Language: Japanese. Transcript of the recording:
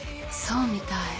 そうみたい。